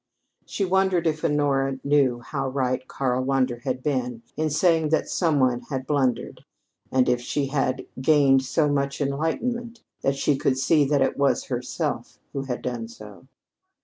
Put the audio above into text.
She wondered if Honora knew how right Karl Wander had been in saying that some one had blundered, and if she had gained so much enlightenment that she could see that it was herself who had done so.